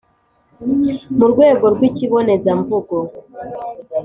mu rwego rw’ikibonezamvugo